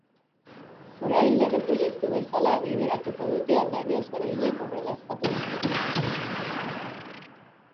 Orain lege proiektu bezala bideratuko dute alderdi ezberdinek horrela eskatu ostean.